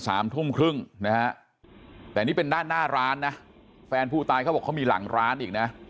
สามทุ่มครึ่งนะฮะแต่นี่เป็นด้านหน้าร้านนะแฟนผู้ตายเขาบอกเขามีหลังร้านอีกนะ